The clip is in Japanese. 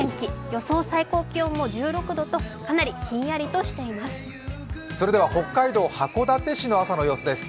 予想最高気温も１６度とかなりひんやりとしています。